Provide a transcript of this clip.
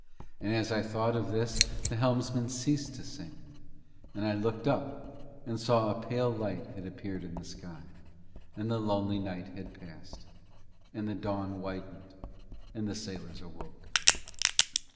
And as I thought of this the helmsman ceased to sing, and I looked up and saw a pale light had appeared in the sky, and the lonely night had passed; and the dawn widened, and the sailors awoke.